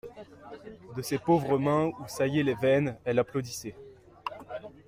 De ses pauvres mains où saillaient les veines, elle applaudissait.